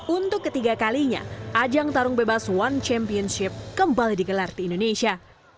untuk ketiga kalinya ajang tarung bebas one championship kembali digelar di indonesia